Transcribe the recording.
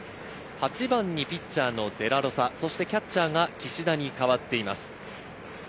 ８番にピッチャーのデラロサ、そしてキャッチャーが岸田に代わっています。